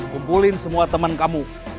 kumpulin semua temen kamu